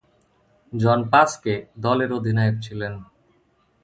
জন পাসকে দলের অধিনায়ক ছিলেন।